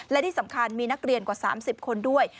และที่สำคัญมีนักเรียนกว่า๓๐คนด้วย